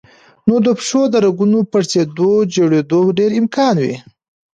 نو د پښو د رګونو پړسېدو جوړېدو ډېر امکان وي